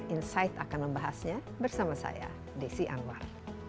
insight akan membahasnya bersama saya desi anwar